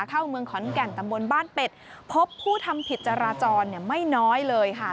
เข้าเมืองขอนแก่นตำบลบ้านเป็ดพบผู้ทำผิดจราจรไม่น้อยเลยค่ะ